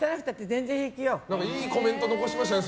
いいコメント残しましたね